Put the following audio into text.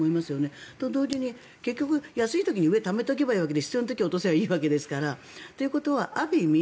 それと同時に結局、安い時に上にためておけばいいわけで必要な時に落とせばいいわけですからということはある意味